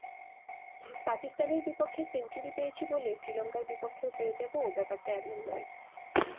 পাকিস্তানের বিপক্ষে সেঞ্চুরি পেয়েছি বলে শ্রীলঙ্কার বিপক্ষেও পেয়ে যাব, ব্যাপারটা এমন নয়।